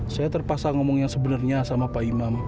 saya terpaksa ngomong yang sebenarnya sama pak imam